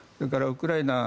ウクライナ